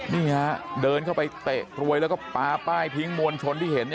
นี่ฮะเดินเข้าไปเตะกรวยแล้วก็ปลาป้ายทิ้งมวลชนที่เห็น